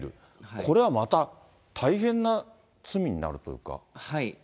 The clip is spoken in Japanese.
これはまた大変な罪になるというか。